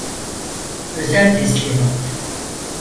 Özel teslimat.